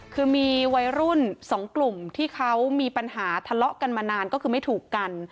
คือมีวัยรุ่นสองกลุ่มที่เขามีปัญหาทะเลาะกันมานานก็คือไม่ถูกกัน